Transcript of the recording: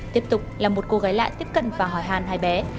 tiếp tục là một cô gái lạ tiếp cận và hỏi hàn hai bé